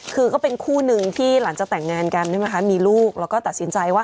คือก็เป็นคู่หนึ่งที่หลังจากแต่งงานกันใช่ไหมคะมีลูกแล้วก็ตัดสินใจว่า